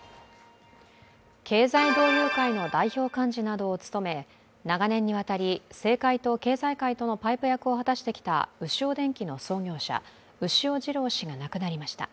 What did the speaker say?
経済同友会の代表幹事などを務め、長年にわたり政界と経済界とのパイプ役を果たしてきたウシオ電機の創業者牛尾治朗氏が亡くなりました。